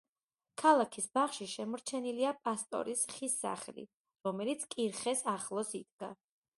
ქალაქის ბაღში შემორჩენილია პასტორის ხის სახლი, რომელიც კირხეს ახლოს იდგა.